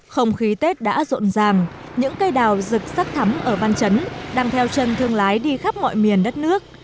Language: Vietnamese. không khí tết đã rộn ràng những cây đào rực sắc thắm ở văn chấn đang theo chân thương lái đi khắp mọi miền đất nước